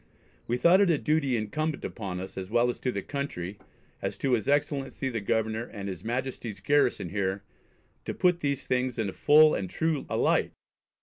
We thought it a duty incumbent on us, as well to the Country, as to his Excellency the Governor, and his Majesty's garrison here to put these things in a full and true a light